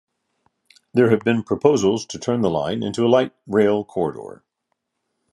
There have been proposals to turn the line into a light rail corridor.